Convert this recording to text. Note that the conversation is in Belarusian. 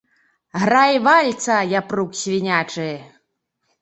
Грай вальца, япрук свінячы!